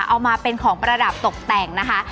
เอามาเป็นของประดับตกแต่งนะคะ